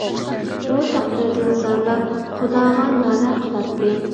ئۇ تەقدىردىن زارلاپ، خۇداغا نالە قىلاتتى.